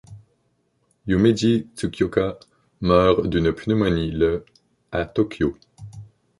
Yumeji Tsukioka meurt d'une pneumonie le à Tokyo.